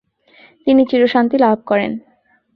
তিনি চিরশান্তি লাভ করেন।